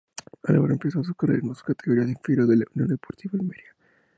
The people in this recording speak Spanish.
Álvaro empezó su carrera en las categorías inferiores de la Union Deportiva Almería.